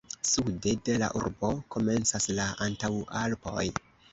Sude de la urbo komencas la Antaŭalpoj.